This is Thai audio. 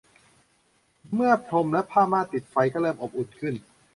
เมื่อพรมและผ้าม่านติดไฟก็เริ่มอบอุ่นขึ้น